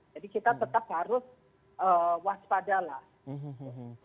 jadi kita tetap harus waspadalah